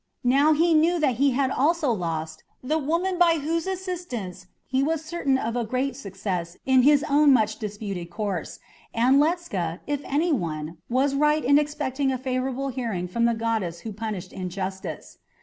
Now he knew that he had also lost the woman by whose assistance he was certain of a great success in his own much disputed course, and Ledscha, if any one, was right in expecting a favourable hearing from the goddess who punished injustice.